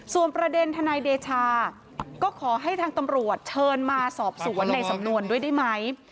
ส่วนประเด็นทนายเดชาก็ขอให้ทางตำรวจเชิญมาสอบสวนในสำนวนด้วยได้ไหม